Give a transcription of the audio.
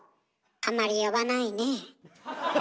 あんまり呼ばないね。